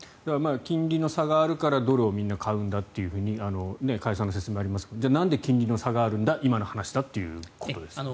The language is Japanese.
金利の差があるからドルをみんな買うんだという加谷さんの説明にありましたがじゃあ、なんで金利の差があるんだ今の話だっていうことですよね。